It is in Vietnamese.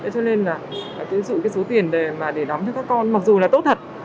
cho nên là phải tiến dụng số tiền để đắm cho các con mặc dù là tốt thật